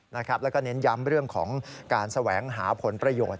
แล้วก็เน้นย้ำเรื่องของการแสวงหาผลประโยชน์